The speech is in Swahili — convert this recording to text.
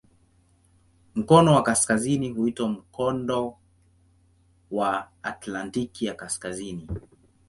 Mkono wa kaskazini huitwa "Mkondo wa Atlantiki ya Kaskazini".